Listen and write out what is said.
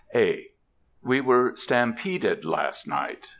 (A.) We were "stampeded" last night.